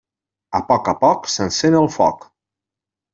A poc a poc s'encén el foc.